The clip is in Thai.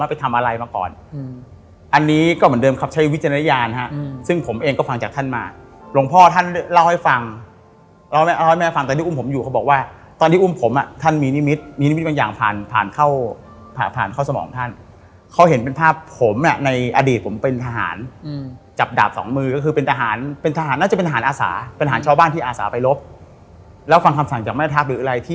อันนี้ก็เหมือนเดิมครับใช้วิจารณญาณครับซึ่งผมเองก็ฟังจากท่านมาหลวงพ่อท่านเล่าให้ฟังเล่าให้แม่ฟังตอนที่อุ้มผมอยู่เขาบอกว่าตอนที่อุ้มผมอ่ะท่านมีนิมิตรมีนิมิตรบางอย่างผ่านเข้าสมองท่านเขาเห็นเป็นภาพผมอ่ะในอดีตผมเป็นทหารจับดาบสองมือก็คือเป็นทหารน่าจะเป็นทหารอาสาเป็นทหารชาวบ้